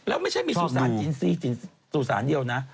แล้วไม่ใช่มีสุสานจินซีสุสานเดียวนะ